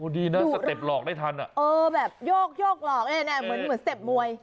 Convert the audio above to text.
ดีนะสเต็ปหลอกได้ทันเออแบบโยกเหมือนสเต็ปมวย